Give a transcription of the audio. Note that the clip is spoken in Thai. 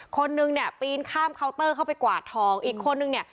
คนนึงเนี่ยปีนข้ามเคาน์เตอร์เข้าไปกวาดทองอีกคนนึงเนี่ย